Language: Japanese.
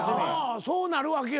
そうなるわけよ。